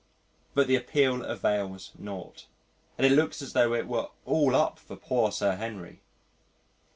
But the appeal avails nought and it looks as tho' it were all up for poor Sir Henry.